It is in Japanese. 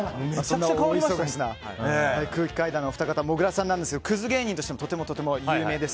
空気階段のもぐらさんなんですけどクズ芸人としてもとても有名です。